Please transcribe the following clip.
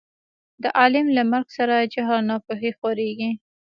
د عالم له مرګ سره جهل او نا پوهي خورېږي.